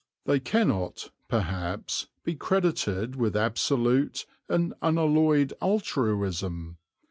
They cannot, perhaps, be credited with absolute and unalloyed altruism.